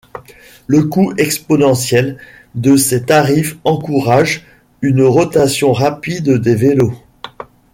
Le coût exponentiel de ces tarifs encouragent une rotation rapide des vélos.